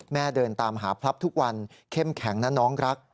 เดินตามหาพลับทุกวันเข้มแข็งนะน้องรัก